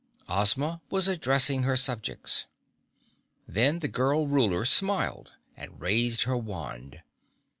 Ozma was addressing her subjects. Then the girl Ruler smiled and raised her wand.